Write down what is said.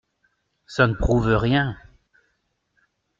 Ca ne prouve rien…